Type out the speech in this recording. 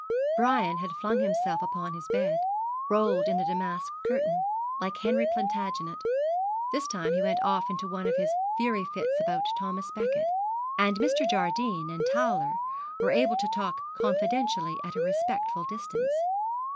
Brian had flung himself upon his bed, rolled in the damask curtain, like Henry Plantagenet, what time he went off into one of his fury fits about Thomas Becket; and Mr. Jardine and Towler were able to talk confidentially at a respectful distance.